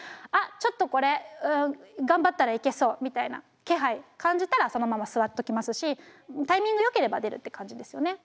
ちょっとこれ頑張ったらいけそうみたいな気配感じたらそのまま座っときますしタイミングよければ出るって感じですよね。